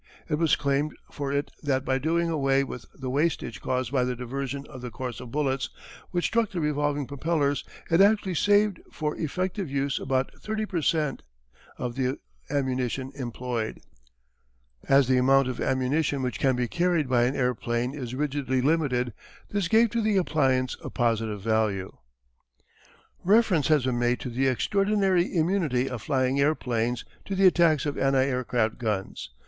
It was claimed for it that by doing away with the wastage caused by the diversion of the course of bullets, which struck the revolving propellers, it actually saved for effective use about thirty per cent. of the ammunition employed. As the amount of ammunition which can be carried by an airplane is rigidly limited this gave to the appliance a positive value. [Illustration: The Terror that Flieth by Night. Painting by William J. Wilson.] Reference has been made to the extraordinary immunity of flying airplanes to the attacks of anti aircraft guns.